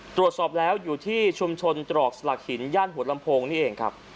ตรวจสอบแล้วอยู่ที่ชุมชนตรอกสลักหินย่านหัวลำโพงนี่เองครับ